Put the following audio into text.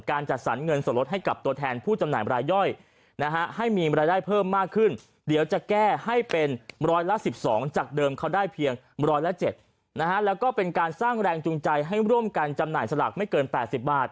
การจัดสรรค์เงินสนลดหลัดให้กับตัวแทนผู้จำหน่ายบรรยายย่อย